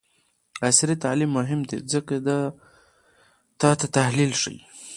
عصري تعلیم مهم دی ځکه چې د ډاټا تحلیل ښيي.